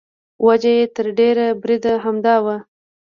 وجه یې تر ډېره بریده همدا وه.